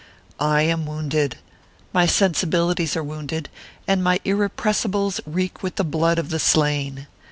I am wounded my sensibilities are wounded, and my irrepressibles reek with the blood of the slain.